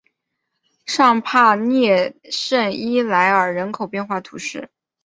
尚帕涅圣伊莱尔人口变化图示